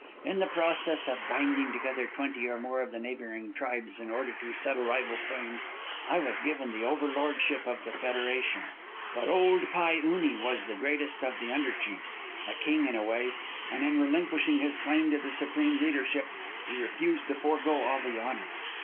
In the process of binding together twenty or more of the neighboring tribes in order to settle rival claims, I was given the over lordship of the federation. But Old Pi Une was the greatest of the under chiefs, a king in a way, and in relinquishing his claim to the supreme leadership he refused to forego all the honors.